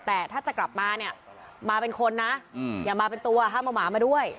แต่ถ้าจะกลับมาเนี่ยมาเป็นคนนะอย่ามาเป็นตัวห้ามเอาหมามาด้วย